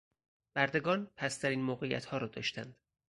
بردگان پستترین موقعیتها را داشتند.